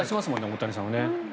大谷さんは。